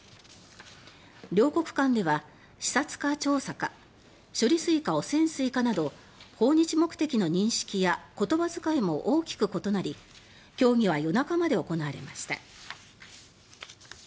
両国間では視察か調査か処理水か汚染水かなど訪日目的の認識や言葉遣いも大きく異なり協議は夜中まで行われました。